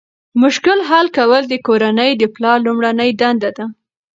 مشکل حل کول د کورنۍ د پلار لومړنۍ دنده ده.